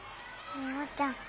ねえおうちゃん。